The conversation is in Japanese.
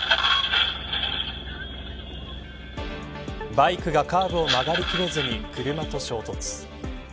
バイクがカーブを曲がりきれずに車と衝突。